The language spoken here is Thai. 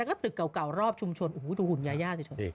แล้วก็ตึกเก่ารอบชุมชนดูหุ่นยาสิ